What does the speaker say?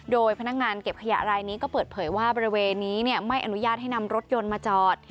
โดยพนักงานเก็บขยะรายนี้ก็เปิดเผยว่าบริเวณนี้ไม่อนุญาตให้นำรถยนต์มาจอด